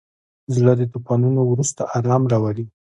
زړه د طوفانونو وروسته ارام راولي.